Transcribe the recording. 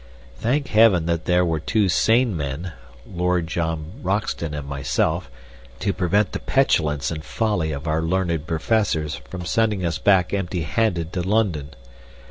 Thank heaven that there were two sane men Lord John Roxton and myself to prevent the petulance and folly of our learned Professors from sending us back empty handed to London.